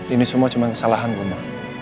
ini semua cuma kesalahan bunda